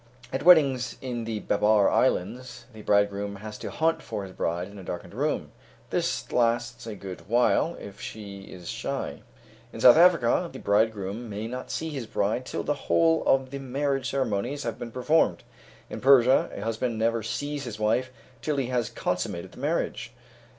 At weddings in the Babar Islands, the bridegroom has to hunt for his bride in a darkened room. This lasts a good while if she is shy. In South Africa, the bridegroom may not see his bride till the whole of the marriage ceremonies have been performed. In Persia, a husband never sees his wife till he has consummated the marriage.